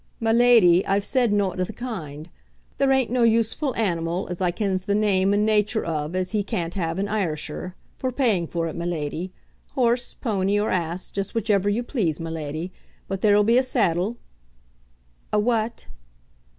"My leddie, I've said nowt o' the kind. There ain't no useful animal as I kens the name and nature of as he can't have in Ayrshire, for paying for it, my leddie; horse, pownie, or ass, just whichever you please, my leddie. But there'll be a seddle " "A what?"